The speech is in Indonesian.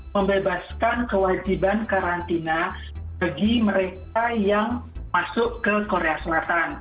membebaskan kewajiban karantina bagi mereka yang masuk ke korea selatan